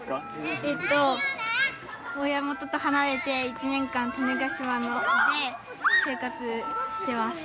えっと親元と離れて１年間種子島で生活してます。